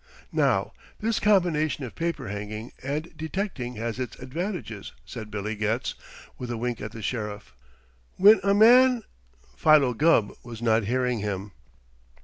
"Now, this combination of paper hanging and detecting has its advantages," said Billy Getz, with a wink at the Sheriff. "When a man " Philo Gubb was not hearing him.